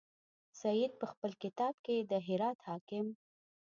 سید په خپل کتاب کې د هرات حاکم.